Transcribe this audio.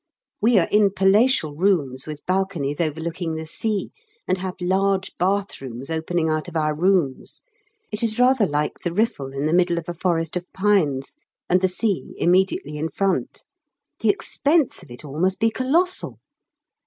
We are in palatial rooms with balconies overlooking the sea, and have large bathrooms opening out of our rooms; it is rather like the Riffel in the middle of a forest of pines, and the sea immediately in front. The expense of it all must be colossal!